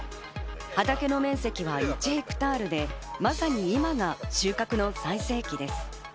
畑の面積は１ヘクタールで、まさに今が収穫の全盛期です。